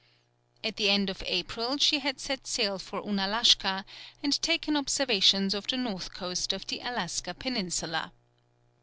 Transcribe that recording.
At the end of April, she had set sail for Ounalashka and taken observations of the north coast of the Alaska peninsula.